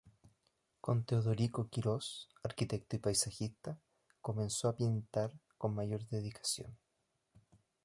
Con Teodorico Quirós, arquitecto y paisajista, comenzó a pintar con mayor dedicación.